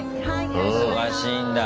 忙しいんだ。